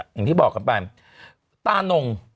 อย่างที่บอกกันไปตานง